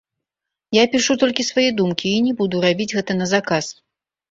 Я пішу толькі свае думкі і не буду рабіць гэта на заказ.